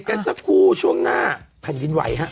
กันสักครู่ช่วงหน้าแผ่นดินไหวฮะ